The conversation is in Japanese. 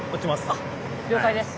あっ了解です。